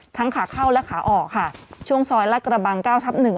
ทั้งขาเข้าและขาออกค่ะช่วงซอยลาดกระบังเก้าทับหนึ่ง